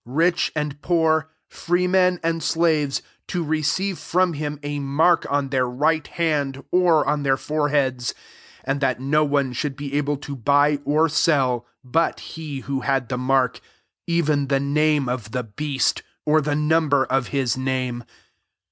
rich and poor, free men and slaves, to receive from him a mark on their right hand, or on their foreheads : 17 \and[\ that no one should be able to buy or sell, but he who had the mark ; tven the name of the beast, or the number of his name.